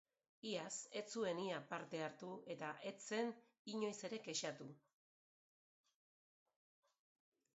Iaz ez zuen ia parte hartu eta ez zen inoiz ere kexatu.